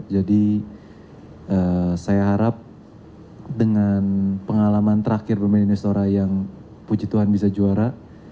jadi saya harap dengan pengalaman terakhir pemain indonesia open yang puji tuhan bisa juara